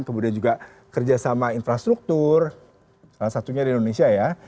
kemudian juga kerjasama infrastruktur salah satunya di indonesia ya